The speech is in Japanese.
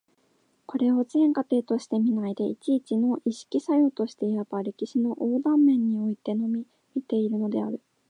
これを全過程として見ないで、一々の意識作用として、いわば歴史の横断面においてのみ見ているのである。